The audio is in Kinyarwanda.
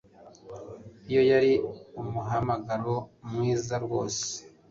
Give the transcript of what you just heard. iyo yari umuhamagaro mwiza rwose